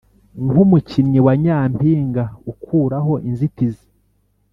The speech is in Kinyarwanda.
nkumukinnyi wa nyampinga ukuraho inzitizi.